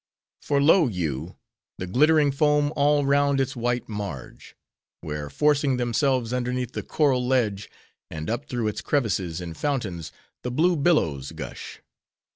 For, lo you! the glittering foam all round its white marge; where, forcing themselves underneath the coral ledge, and up through its crevices, in fountains, the blue billows gush.